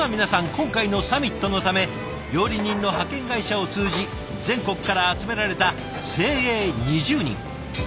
今回のサミットのため料理人の派遣会社を通じ全国から集められた精鋭２０人。